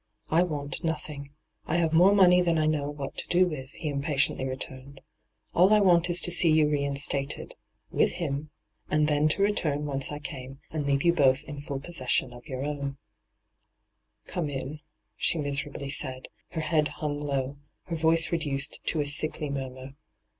I want nothing, I have more money than I know what to do with,' he impatiently returned. 'All I want is to see you reinstated — with him — and then to return whence I came, and leave you both in full possession of your own.' hyCOO^IC 220 ENTRAPPED ' Come in' she miserably said, her head hung low, her voice reduced to a sickly murmur.